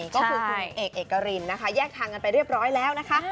ก็คือคุณเอกเอกรินนะคะแยกทางกันไปเรียบร้อยแล้วนะคะ